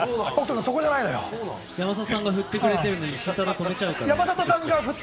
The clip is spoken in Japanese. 山里さんが振ってくれてるのに慎太郎が止めちゃうから。